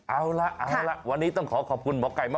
เอาล่ะเอาล่ะวันนี้ต้องขอขอบคุณหมอไก่มาก